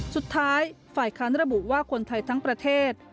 สุดท้ายฝ่ายค้านระบุว่าคนไทยทั้งประเทศ